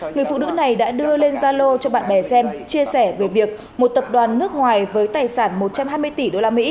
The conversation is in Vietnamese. người phụ nữ này đã đưa lên gia lô cho bạn bè xem chia sẻ về việc một tập đoàn nước ngoài với tài sản một trăm hai mươi tỷ usd